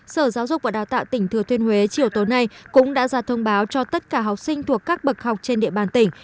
sở giáo dục và đào tạo tỉnh thừa thiên huế chiều tối nay cũng đã ra thông báo cho tất cả học sinh thuộc các bậc học trên địa bàn tỉnh